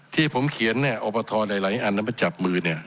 ที่ผมเขียนเนี่ยอบทรหลายหลายอันแล้วมาจับมือเนี่ย